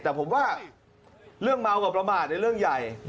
แต่ผมว่าเรื่องเมากับประมาทในเรื่องใหญ่